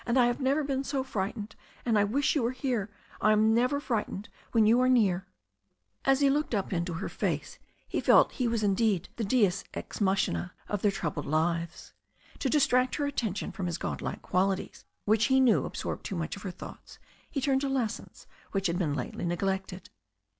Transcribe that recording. I have never been so fright ened. And I did wish you were here. I am never fright ened when you are near." As she looked up into his face he felt he was indeed the deus ex machina of their troubled lives. To distract her attention from his god like qualities, which he knew ab sorbed too much of her thoughts, he turned to lessons, which had been lately neglected.